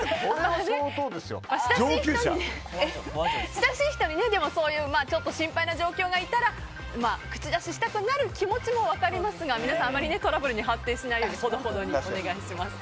親しい人に、そういうちょっと心配な状況の人がいたら口出ししたくなる気持ちも分かりますが皆さんあまりトラブルに発展しないようにほどほどにお願いします。